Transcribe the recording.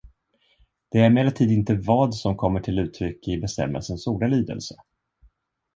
Det är emellertid inte vad som kommer till uttryck i bestämmelsens ordalydelse.